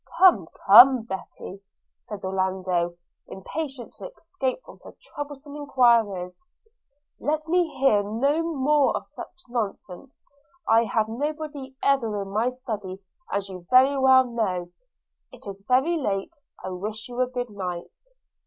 'Come, come, Betty,' said Orlando, impatient to escape from her troublesome enquiries, 'let me hear no more of such nonsense. I have nobody ever in my study, as you know very well. It is very late – I wish you a good night.'